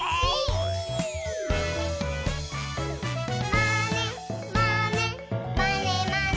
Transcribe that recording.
「まねまねまねまね」